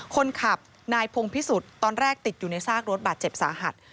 คนขับนายพงพิสุทธิ์ตอนแรกติดอยู่ในซากรถบาดเจ็บสาหัส